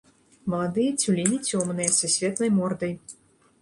Маладыя цюлені цёмныя, са светлай мордай.